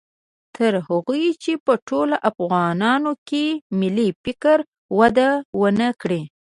تر هغو چې په ټولو افغانانو کې ملي فکر وده و نه کړي